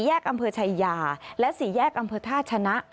๔แยกอำเภอชายาและ๔แยกอำเภอธาชนะ